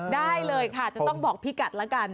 ได้เลยค่ะจะต้องบอกพี่กัดละกัน